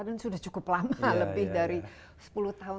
sudah cukup lama lebih dari sepuluh tahun